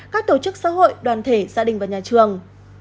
các tổ chức xã hội đoàn thể gia đình và nhà trường